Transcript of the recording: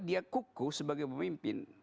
dia kuku sebagai pemimpin